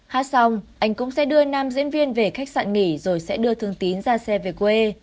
hát xong anh cũng sẽ đưa nam diễn viên về khách sạn nghỉ rồi sẽ đưa thương tín ra xe về quê